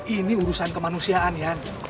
ini urusan kemanusiaan yan